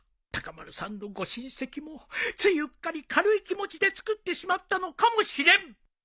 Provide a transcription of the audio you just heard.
高丸さんのご親戚もついうっかり軽い気持ちで作ってしまったのかもしれん。